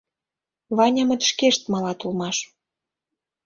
Ванямыт шкешт малат улмаш.